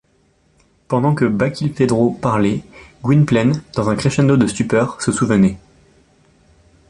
Pendant que Barkilphedro parlait, Gwynplaine, dans un crescendo de stupeur, se souvenait.